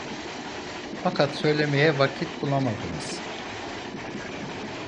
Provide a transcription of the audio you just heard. Fakat söylemeye vakit bulamadınız.